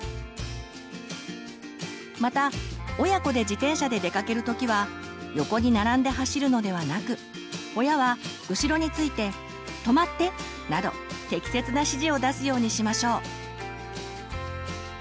また親子で自転車で出かける時は横に並んで走るのではなく親は後ろについて「止まって」など適切な指示を出すようにしましょう。